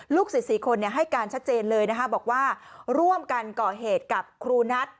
ลูกสิทธิ์๔คนให้การชัดเจนเลยบอกว่าร่วมกันเกาะเหตุกับครูนัท